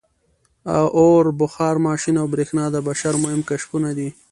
• اور، بخار ماشین او برېښنا د بشر مهم کشفونه دي.